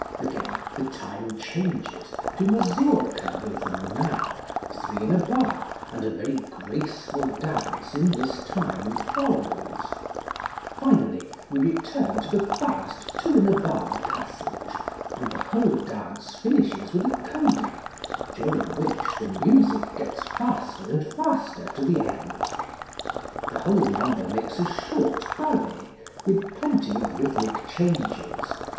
Again the time changes, to mazurka rhythm now, three in a bar, and a very graceful dance in this time follows; finally we return to the fast two in a bar passage, and the whole dance finishes with a coda, during which the music gets faster and faster to the end. The whole number makes a short ballet, with plenty of rhythmic changes.